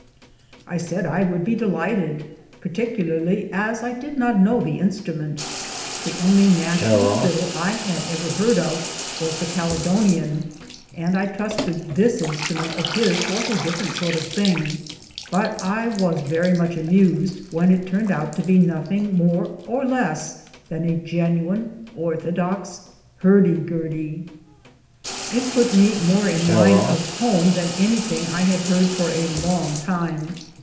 I said I would be delighted, particularly as I did not know the instru ment. The only national fiddle I had ever heard of was the Caledonian, and I trusted this instrument of his was a different sort of thing ; but I was very much amused when it turned out to be nothing more or less than a genuine orthodox hurdy gurdy. It put me more in mind of home than anything I had heard for a long time.